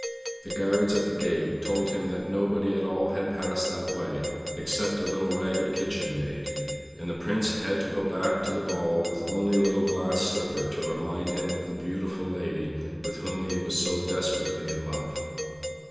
The guards at the gate told him that nobody at all had passed that way, except a little ragged kitchenmaid; and the Prince had to go back to the ball with only a little glass slipper to remind him of the beautiful lady with whom he was so desperately in love.